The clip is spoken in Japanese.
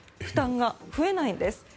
負担が増えないんです。